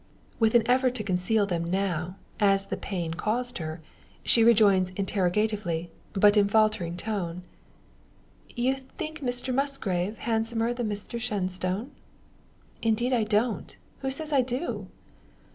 With an effort to conceal them now, as the pain caused her, she rejoins interrogatively, but in faltering tone "You think Mr Musgrave handsomer than Mr Shenstone?" "Indeed I don't. Who says I do?"